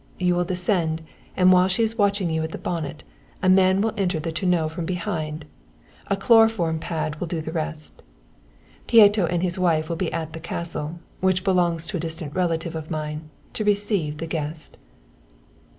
You will descend, and while she is watching you at the bonnet, a man will enter the tonneau from behind. A chloroform pad will do the rest. Pieto and his wife will be at the castle, which belongs to a distant relative of mine, to receive the guest."